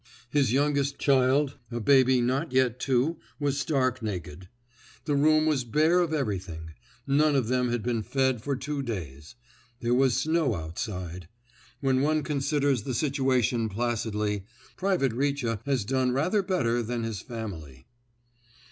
His youngest child—a baby not yet two—was stark naked. The room was bare of everything. None of them had been fed for two days. There was snow outside. When one considers the situation placidly, Private Richa has done rather better than his family.